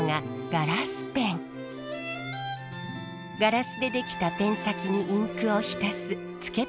ガラスで出来たペン先にインクを浸すつけペンの一種です。